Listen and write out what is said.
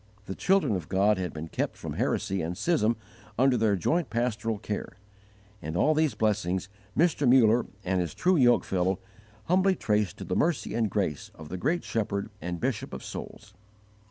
The children of God had been kept from heresy and schism under their joint pastoral care; and all these blessings Mr. Muller and his true yoke fellow humbly traced to the mercy and grace of the great Shepherd and Bishop of souls.